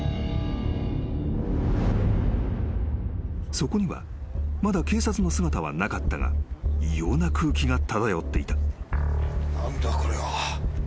［そこにはまだ警察の姿はなかったが異様な空気が漂っていた］